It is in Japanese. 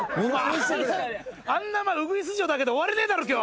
あんなうぐいす嬢だけで終われねえだろ今日。